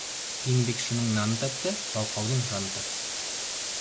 Еңбекшінің наны тәтті, жалқаудың жаны тәтті.